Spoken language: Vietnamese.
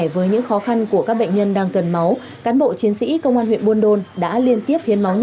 vì nhân dân phục vụ